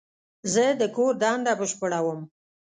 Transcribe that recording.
زه د کور دنده بشپړوم.